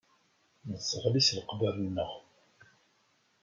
Nesseɣli s leqder-nneɣ.